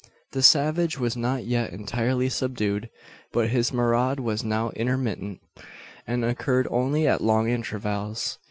The savage was not yet entirely subdued; but his maraud was now intermittent, and occurred only at long intervals.